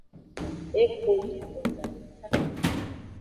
Ehonyidon gadeka.